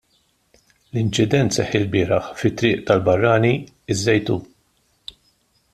L-inċident seħħ ilbieraħ fi Triq tal-Barrani, iż-Żejtun.